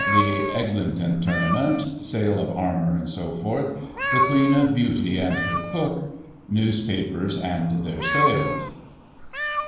The Eglinton Tournament — Sale of Armour, &c. — The Queen of Beauty and her Cook — Newspapers and their Sales.